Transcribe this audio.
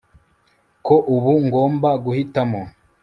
Ko ubu ngomba guhitamo